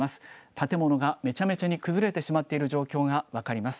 建物がめちゃくちゃに崩れてしまっている状況が分かります。